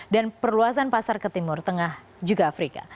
dan perluasan pasar ke timur tengah juga afrika